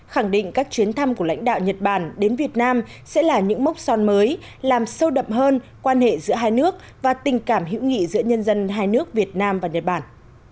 khẳng định các chuyến thăm của lãnh đạo nhật bản đến việt nam sẽ là những mốc son mới làm sâu đậm hơn quan hệ giữa hai nước và tình cảm hữu nghị giữa nhân dân hai nước việt nam và nhật bản